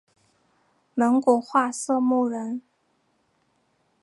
蒙古化色目人。